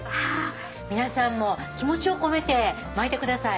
皆さんも気持ちを込めて巻いてください。